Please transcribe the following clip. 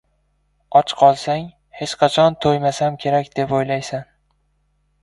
• Och qolsang hech qachon to‘ymasam kerak deb o‘ylaysan.